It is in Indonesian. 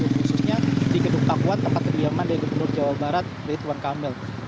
khususnya di gedung pakuwan tempat kediaman di gedung jawa barat di tuan kamel